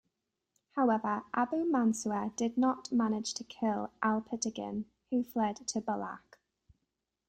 However, Abu Mansur did not manage to kill Alptigin, who fled to Balkh.